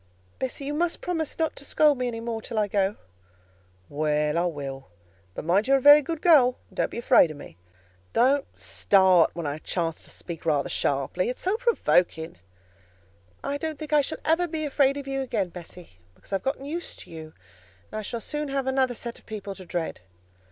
"Bessie, you must promise not to scold me any more till I go." "Well, I will; but mind you are a very good girl, and don't be afraid of me. Don't start when I chance to speak rather sharply; it's so provoking." "I don't think I shall ever be afraid of you again, Bessie, because I have got used to you, and I shall soon have another set of people to dread."